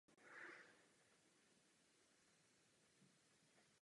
Schopnost regenerace ocasu je u různých obratlovců velmi různá.